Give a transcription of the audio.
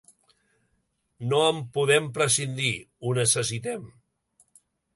No en podem prescindir: ho necessitem.